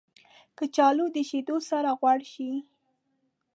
کچالو د شیدو سره غوړ شي